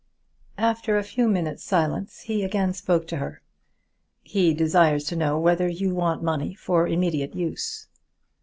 After a few minutes' silence he again spoke to her. "He desires to know whether you want money for immediate use."